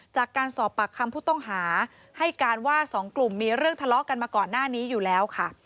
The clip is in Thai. จากการสอบปากคำผู้ต้องหาให้การว่าสองกลุ่มมีเรื่องทะเลาะกันมาก่อนหน้านี้อยู่แล้วค่ะ